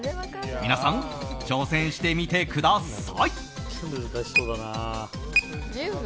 皆さん挑戦してみてください。